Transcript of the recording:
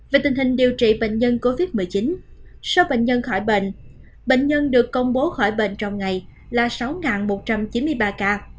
về tình hình điều trị bệnh nhân covid một mươi chín số bệnh nhân khỏi bệnh bệnh nhân được công bố khỏi bệnh trong ngày là sáu một trăm chín mươi ba ca